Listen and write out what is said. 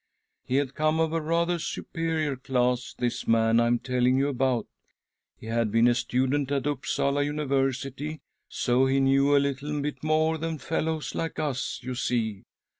" He had come of a rather superior class, this man I'm telling you about. He had been a student at Upsala University, so he knew a little bit more than fellows like . us, you see.